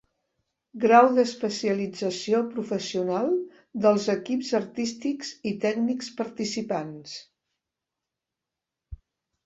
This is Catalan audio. Grau d'especialització professional dels equips artístics i tècnics participants.